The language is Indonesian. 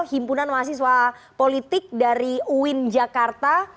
himpunan mahasiswa politik dari uin jakarta